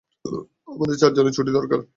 আমাদের চারজনের ছুটি দরকার।